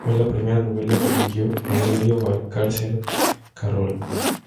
Fue la primera novela que dirigió Aurelio Valcárcel Carrol.